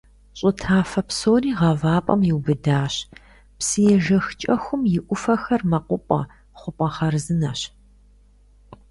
Щӏы тафэ псори гъавапӀэм иубыдащ, псыежэх КӀэхум и Ӏуфэхэр мэкъупӀэ, хъупӀэ хъарзынэщ.